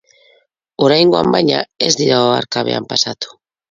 Oraingoan, baina, ez dira oharkabean pasatu.